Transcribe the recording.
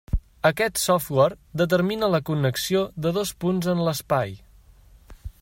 Aquest software determina la connexió de dos punts en l'espai.